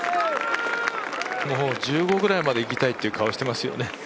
１５ぐらいまでいきたいという顔をしていますね。